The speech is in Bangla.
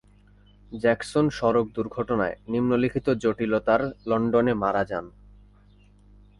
জ্যাকসন সড়ক দুর্ঘটনায় নিম্নলিখিত জটিলতার লন্ডনে মারা যান।